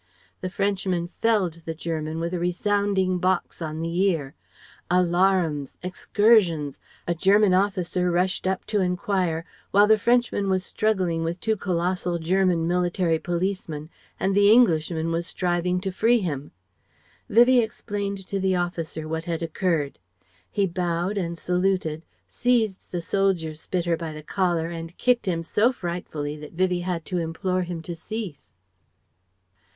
The Frenchman felled the German with a resounding box on the ear. Alarums! Excursions! A German officer rushed up to enquire while the Frenchman was struggling with two colossal German military policemen and the Englishman was striving to free him. Vivie explained to the officer what had occurred. He bowed and saluted: seized the soldier spitter by the collar and kicked him so frightfully that Vivie had to implore him to cease.